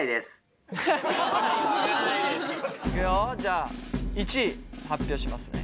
いくよじゃあ１位発表しますね。